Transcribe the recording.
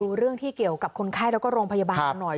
เรื่องที่เกี่ยวกับคนไข้แล้วก็โรงพยาบาลกันหน่อย